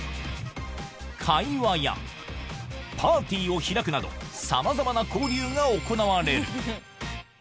会話や、パーティーを開くなど、さまざまな交流が行われる。